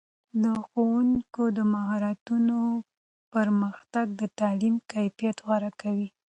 د ښوونکو د مهارتونو پرمختګ د تعلیم کیفیت غوره کوي.